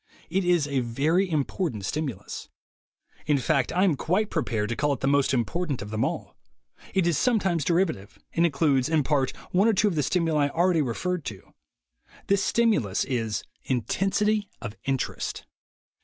It is a very important stimulus. In fact, I am quite prepared to call it the most important of them all. It is sometimes derivative; and includes, in part, one or two of the stimuli already referred to. This stimulus is intensity of interest.